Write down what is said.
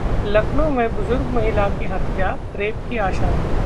लखनऊ में बुजुर्ग महिला की हत्या, रेप की आशंका